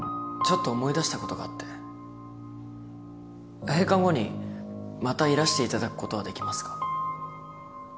ちょっと思い出したことがあって閉館後にまたいらしていただくことはできますか？